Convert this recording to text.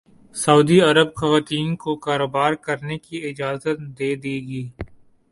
سعودی عرب خواتین کو کاروبار کرنے کی اجازت دے دی گئی